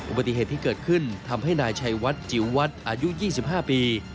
อุบัติเหตุที่เกิดขึ้นทำให้นายชัยวัดจิ๋ววัดอายุ๒๕ปี